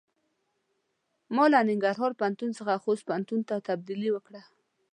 ما له ننګرهار پوهنتون څخه خوست پوهنتون ته تبدیلي وکړۀ.